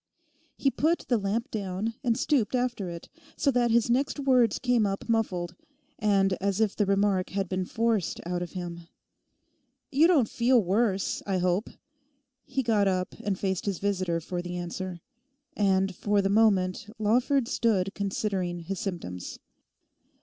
He put the lamp down and stooped after it, so that his next words came up muffled, and as if the remark had been forced out of him. 'You don't feel worse, I hope?' He got up and faced his visitor for the answer. And for the moment Lawford stood considering his symptoms.